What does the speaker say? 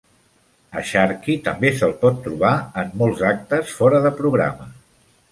A Sharky també se'l pot trobar en molts actes fora de programa.